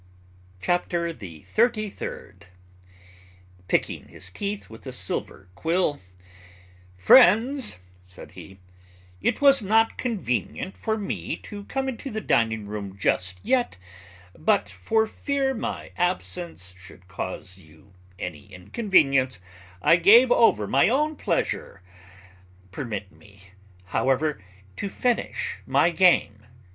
CHAPTER THE THIRTY THIRD. Picking his teeth with a silver quill, "Friends," said he, "it was not convenient for me to come into the dining room just yet, but for fear my absence should cause you any inconvenience, I gave over my own pleasure: permit me, however, to finish my game."